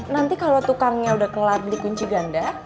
nanti kalau tukangnya udah kelar di kunci ganda